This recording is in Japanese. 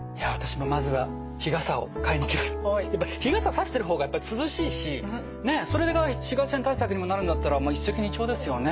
日傘差してる方がやっぱり涼しいしそれが紫外線対策にもなるんだったら一石二鳥ですよね。